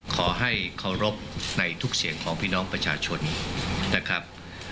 ขอให้เคารพในทุกเสียงของพี่น้องประชาชนนะครับ